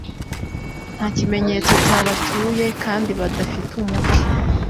nta kimenyetso cyabatuye kandi badafite umuco